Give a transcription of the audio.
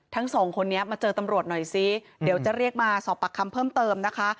ทั้งสองคนนี้มาเจอตำรวจหน่อยซิเดี๋ยวจะเรียกมาสอบปากคำเพิ่มเติมนะคะ